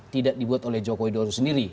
tidak dibuat oleh jokowi dodo sendiri